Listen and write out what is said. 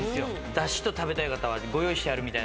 だしと食べたい方はご用意してあるみたい。